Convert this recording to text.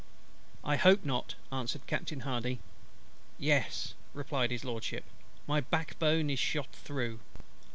"I hope not," answered Captain HARDY. "Yes," replied His LORDSHIP; "my backbone is shot through."